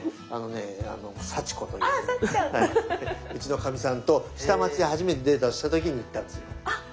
あのね佐智子といううちのカミさんと下町で初めてデートした時に行ったんですよ。